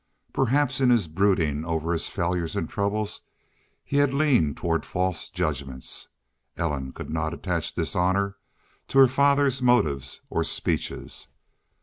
Perhaps in his brooding over his failures and troubles he leaned toward false judgments. Ellen could not attach dishonor to her father's motives or speeches.